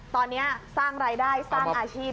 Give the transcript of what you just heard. ตอนนี้สร้างรายได้สร้างอาชีพ